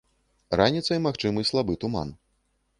Раніцай магчымы слабы туман.